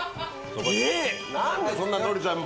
何でそんなノリちゃん